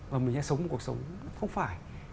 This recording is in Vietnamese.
và mình sẽ sống một cuộc sống không phải